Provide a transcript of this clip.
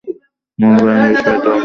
মূল কাহিনী বিভূতিভূষণ বন্দ্যোপাধ্যায়।